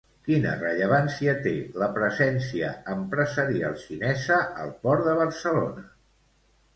Quina rellevància té la presència empresarial xinesa al port de Barcelona?